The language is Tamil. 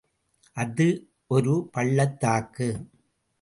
அது ஒரு பள்ளத்தாக்கு.